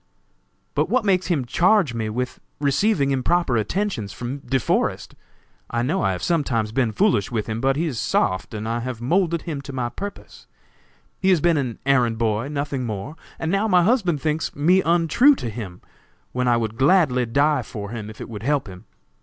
"But what makes him charge me with receiving improper attentions from De Forest? I know I have sometimes been foolish with him, but he is soft and I have moulded him to my purpose. He has been my errand boy, nothing more; and now my husband thinks me untrue to him, when I would gladly die for him, if it would help him.